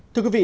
thưa quý vị